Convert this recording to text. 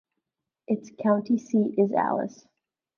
Its county seat is Alice.